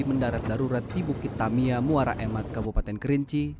mendarat darurat di bukit tamiya muara emat kabupaten kerinci